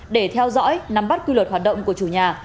để theo dõi nắm bắt quy luật hoạt động của chủ nhà